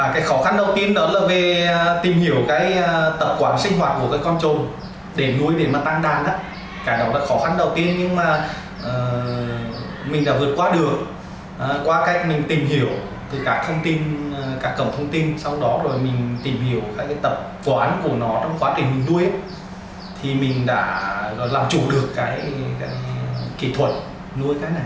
cái khó khăn đầu tiên đó là về tìm hiểu cái tập quản sinh hoạt của cái con